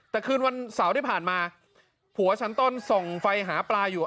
แต่คืนวันเสาร์ที่ผ่านมาผัวชั้นต้นส่องไฟหาปลาอยู่